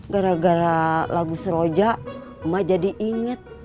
gara gara lagu sroja emak jadi inget